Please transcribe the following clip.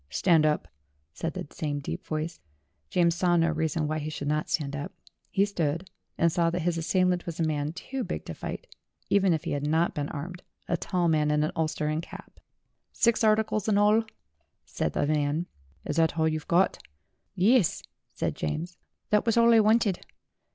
"Stand up," said the same deep voice. James saw no reason why he should not stand up ; he stood, and saw that his assailant was a man too big to fight, even if he had not been armed, a tall man in an ulster and cap. "Six articles in all," said the man. "Is that all you got?" "Yuss," said James. "That was all I wanted."